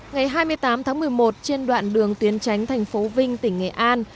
ngày hai mươi tám tháng một mươi một trên đoạn đường tuyến tránh thành phố vinh tỉnh nghệ an